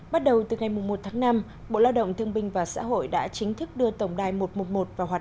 bắt đầu từ ngày một tháng năm bộ lao động thương binh và xã hội đã chính thức đưa tổng đài một trăm một mươi một vào hoạt